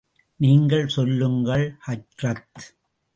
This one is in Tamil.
நீங்கள் செல்லுங்கள், ஹஜ்ரத்.